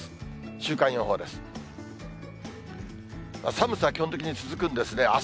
週間予報です。